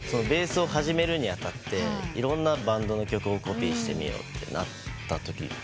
ベースを始めるに当たっていろんなバンドの曲をコピーしてみようとなったとき。